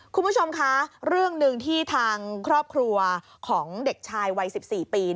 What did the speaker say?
คุณผู้ชมคะเรื่องหนึ่งที่ทางครอบครัวของเด็กชายวัย๑๔ปี